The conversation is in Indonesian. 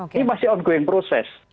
ini masih ongoing proses